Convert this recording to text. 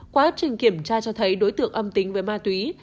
quá trình kiểm tra cho thấy đối tượng âm tính với ma túy